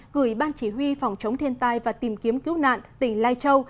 gửi ban chỉ huy phòng chống thiên tai và tìm kiếm cứu nạn tỉnh lai châu